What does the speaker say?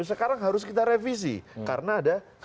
sekarang harus kita revisi karena ada